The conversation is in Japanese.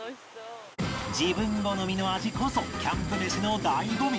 自分好みの味こそキャンプ飯の醍醐味